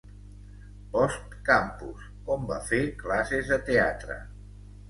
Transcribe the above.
Post Campus, on va fer classes de teatre.